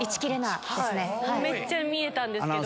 めっちゃ見えたんですけど。